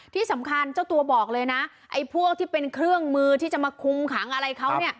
ที่สำคัญเจ้าตัวบอกเลยนะไอ้พวกที่เป็นเครื่องมือที่จะมาคุมขังอะไรเขาเนี่ย